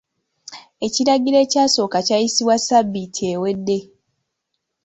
Ekiragiro ekyasooka kyayisibwa ssabbiiti ewedde.